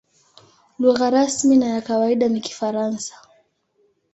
Lugha rasmi na ya kawaida ni Kifaransa.